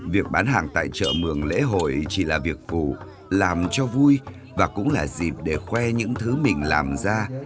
việc bán hàng tại chợ mường lễ hội chỉ là việc phụ làm cho vui và cũng là dịp để khoe những thứ mình làm ra